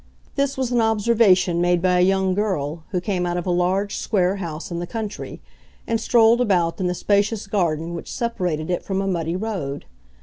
This was an observation made by a young girl who came out of a large square house in the country, and strolled about in the spacious garden which separated it from a muddy road.